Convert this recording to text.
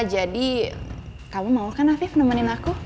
jadi kamu mau kan afif nemenin aku